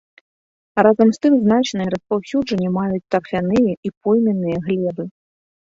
Разам з тым значнае распаўсюджванне маюць тарфяныя і пойменныя глебы.